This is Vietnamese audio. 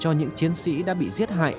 cho những chiến sĩ đã bị giết hại